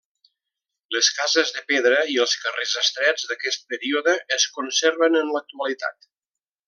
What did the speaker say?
Les cases de pedra i els carrers estrets d'aquest període es conserven en l'actualitat.